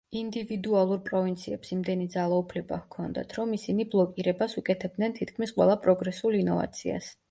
ინდივიდუალურ პროვინციებს იმდენი ძალაუფლება ჰქონდათ, რომ ისინი ბლოკირებას უკეთებდნენ თითქმის ყველა პროგრესულ ინოვაციას.